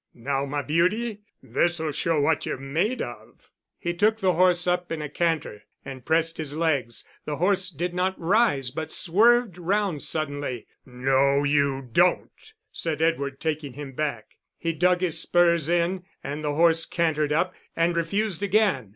"Now, my beauty, this'll show what you're made of." He took the horse up in a canter, and pressed his legs; the horse did not rise, but swerved round suddenly. "No, you don't," said Edward, taking him back. He dug his spurs in, and the horse cantered up, and refused again.